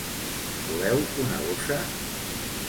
Voleu una bossa?